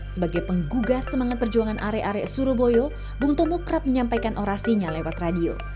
sebagai penggugah semangat perjuangan arek arek surabaya bung tomo kerap menyampaikan orasinya lewat radio